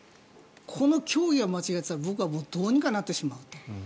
この教義をやっていたら僕はどうにかなってしまうと。